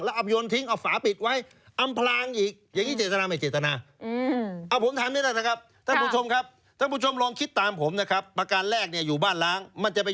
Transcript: แล้วอับยนท์ทิ้งออกฝาปิดไว้อำพลางอีก